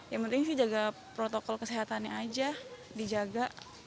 yang penting sih jaga protokol kesehatannya aja dijaga